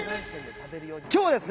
今日はですね